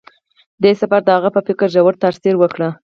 دې سفر د هغه په فکر ژور تاثیر وکړ.